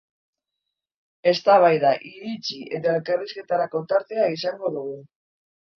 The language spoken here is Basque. Eztabaida, iritzi eta elkarrizketarako tartea izango du.